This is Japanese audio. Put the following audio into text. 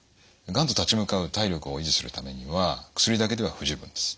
がんと立ち向かう体力を維持するためには薬だけでは不十分です。